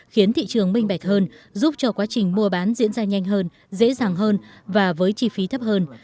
khiến thị trường minh bạch hơn giúp cho quá trình mua bán diễn ra nhanh hơn dễ dàng hơn và với chi phí thấp hơn